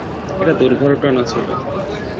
এটা দূর্ঘটনা ছিল।